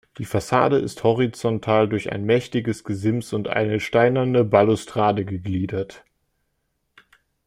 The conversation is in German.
Die Fassade ist horizontal durch ein mächtiges Gesims und eine steinerne Balustrade gegliedert.